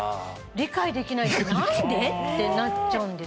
理解できないから何で？ってなっちゃうんですよ